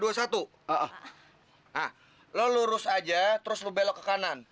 nah lo lurus aja terus lo belok ke kanan